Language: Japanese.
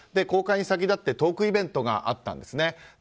公開に先立ってトークイベントがあったんですね。